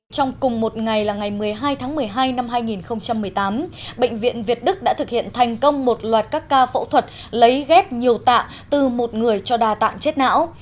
trong cùng một ngày là ngày một mươi hai tháng một mươi hai năm hai nghìn một mươi tám bệnh viện việt đức đã thực hiện thành công một loạt các ca phẫu thuật lấy ghép nhiều tạ từ một người cho đa tạng chết não